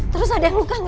terus ada yang luka gak